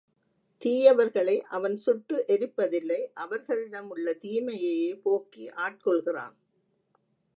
தீயவர்களை அவன் சுட்டு எரிப்பதில்லை அவர்களிடமுள்ள தீமையையே போக்கி ஆட்கொள்கிறான்.